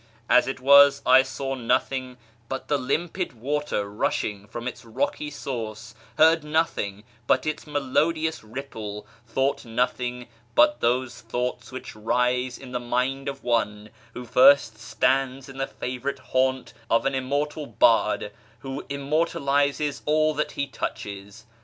As it was, I saw nothing but the limpid water rushing from its rocky source; heard nothing but its melodious ripple ; thought nothing but FROM ISFAHAN TO SHIRAz 259 those thoughts which rise in the mind of one who first stands in the favourite haunt of an immortal bard who immortalises all that he touches.